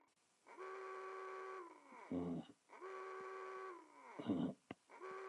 Estudió sus humanidades en el Liceo de Concepción.